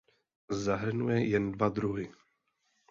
Zahrnuje jen dva druhy.